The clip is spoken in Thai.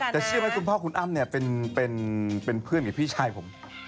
แต่เชื่อไหมคุณพ่อคุณอ้ำเป็นเพื่อนกับพี่ชายผม